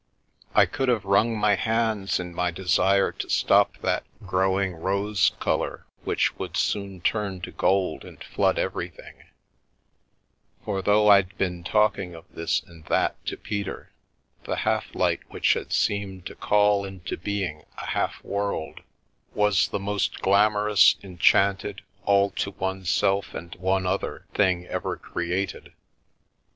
I could have wrung my hands in my desire to stop that growing rose colour which would soon turn to gold and flood everything, for though I'd been talking of this and that to Peter, the half light which had seemed to call into being a half world, was the most glamorous, enchanted, all to one self and one other thing ever cre ated.